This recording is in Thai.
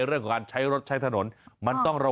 เป็นไปได้นะคะ